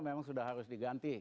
memang sudah harus diganti